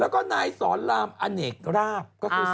แล้วก็นายสอนรามอเนกราบ